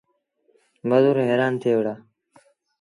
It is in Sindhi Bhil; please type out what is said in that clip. مزور هيرآن ٿئي وُهڙآ۔